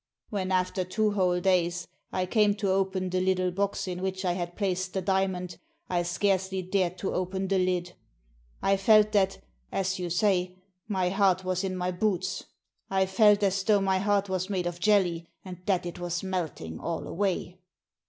"When, after two whole days, I came to open the little box in which I had placed the diamond, I scarcely dared to open the lid. I felt that, as you say, my heart was in my boots. I felt as though my heart was made of jelly, and that it was melting all away."